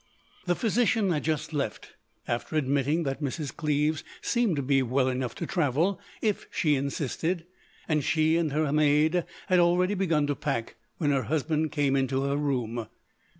The physician had just left, after admitting that Mrs. Cleves seemed to be well enough to travel if she insisted; and she and her maid had already begun to pack when her husband came into her room.